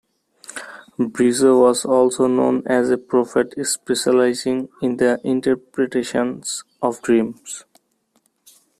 Brizo was also known as a prophet specializing in the interpretation of dreams.